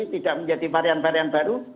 tidak menjadi varian varian baru